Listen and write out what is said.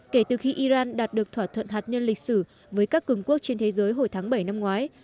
kể từ khi iran đạt được thỏa thuận hạt nhân lịch sử với các cường quốc trên thế giới hồi tháng bảy năm ngoái